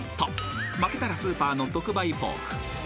［負けたらスーパーの特売ポーク］